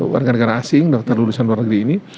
warga negara asing daftar lulusan luar negeri ini